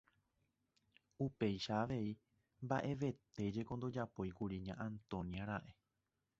Upéicha avei mba'evete jeko ndojapóikuri Ña Antonia-re.